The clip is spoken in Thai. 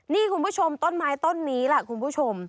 นี่คุณผู้ชมต้นไม้ต้นนี้ล่ะคุณผู้ชม